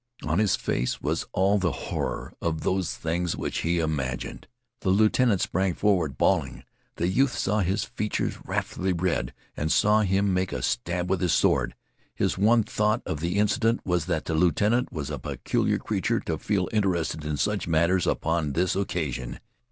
On his face was all the horror of those things which he imagined. The lieutenant sprang forward bawling. The youth saw his features wrathfully red, and saw him make a dab with his sword. His one thought of the incident was that the lieutenant was a peculiar creature to feel interested in such matters upon this occasion.